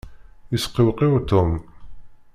Yesqewqiw Tom.